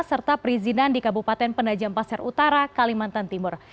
serta perizinan di kabupaten penajam pasir utara kalimantan timur